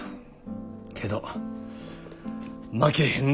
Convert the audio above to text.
けど負けへんで。